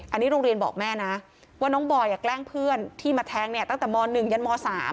อันนี้โรงเรียนบอกแม่นะว่าน้องบอยแกล้งเพื่อนที่มาแทงเนี่ยตั้งแต่ม๑ยันม๓